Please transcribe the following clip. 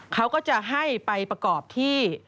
เขาก็จะให้ไปประกอบที่